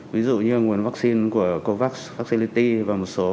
ví dụ như nguồn vaccine của covax appellity và một số